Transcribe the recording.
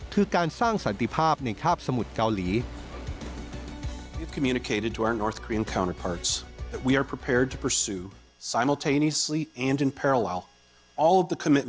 คือการสร้างสันติภาพในคาบสมุทรเกาหลี